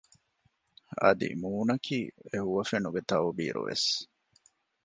އަދި މޫނަކީ އެ ހުވަފެނުގެ ތައުބީރު ވެސް